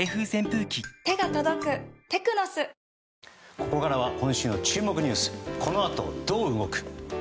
ここからは、今週の注目ニュースこの後どう動く？